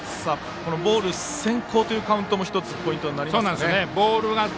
このボール先行というカウントも１つ、ポイントになりますね。